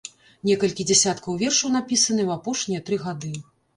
Некалькі дзясяткаў вершаў напісаныя ў апошнія тры гады.